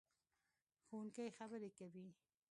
ښوونکې خبرې کوي.